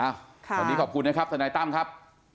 วันนี้ขอบคุณนะครับทนายตั้มครับ